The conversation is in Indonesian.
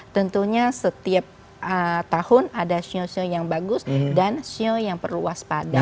tentunya setiap tahun ada sio sio yang bagus dan sio yang perluas parahnya